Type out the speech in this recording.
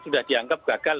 sudah dianggap gagal